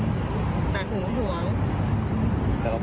แต่ห่วงหัว